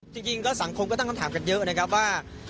จริงก็สังคมก็ตั้งคำถามกันเยอะนะครับว่า